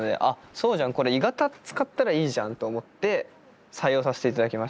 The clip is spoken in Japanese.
そうじゃん「鋳型」使ったらいいじゃんと思って採用させて頂きました。